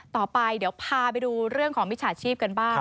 ต่อไปเดี๋ยวพาไปดูเรื่องของมิจฉาชีพกันบ้าง